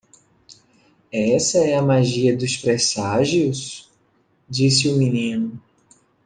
"Essa é a magia dos presságios?" disse o menino.